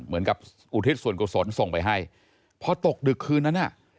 เหมือนกับอุทิศส่วนกุศลส่งไปให้พอตกดึกคืนนั้นนะ